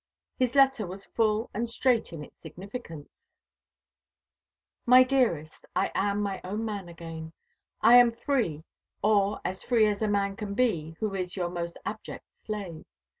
His letter was full and straight in its significance. "My dearest, I am my own man again. I am free, or as free as a man can be who is your most abject slave.